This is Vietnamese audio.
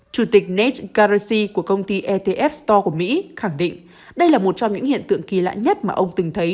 chủ tịch net caressi của công ty etf store của mỹ khẳng định đây là một trong những hiện tượng kỳ lạ nhất mà ông từng thấy